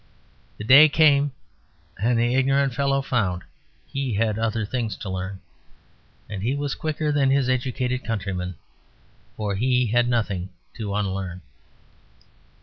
The day came, and the ignorant fellow found he had other things to learn. And he was quicker than his educated countrymen, for he had nothing to unlearn.